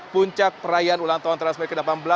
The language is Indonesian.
puncak perayaan ulang tahun transmedia ke delapan belas